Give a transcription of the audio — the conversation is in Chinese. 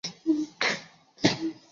蒙特龙勒沙托。